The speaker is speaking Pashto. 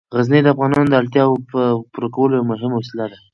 غزني د افغانانو د اړتیاوو د پوره کولو یوه مهمه وسیله ده.